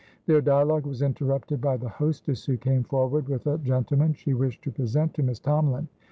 Their dialogue was interrupted by the hostess, who came forward with a gentleman she wished to present to Miss Tomalin.